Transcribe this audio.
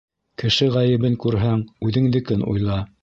Кеше ғәйебен күрһәң, үҙеңдекен уйла.